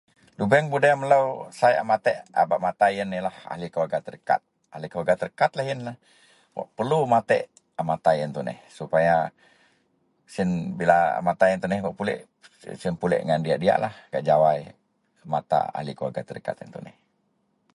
Lubeng udeng sai a bak matek a matai iyenlah ahli keluarga terdekat, ahli keluarga terdekat iyenlah wak perlu matek a matai iyen tuneh supaya siyen bila a matai iyen tuneh bak pulek siyen pulek ngan diak-diyak gak jawai mata a liko Tellian.